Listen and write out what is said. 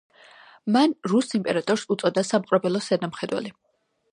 მან რუს იმპერატორს უწოდა „საპყრობილეს ზედამხედველი“.